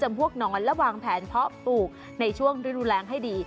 จะมั่วนอนระหว่างแผนเพาะปลูกในช่วงรุนแรงให้ดี